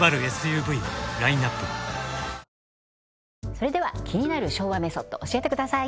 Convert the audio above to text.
それでは気になる昭和メソッド教えてください